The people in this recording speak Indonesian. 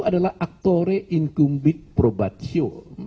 adalah actore incumbit probatio